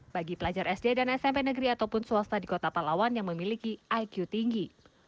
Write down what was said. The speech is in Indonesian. bagi pelajar sd dan smp negeri ataupun swasta di kota palawan yang memiliki iq tinggi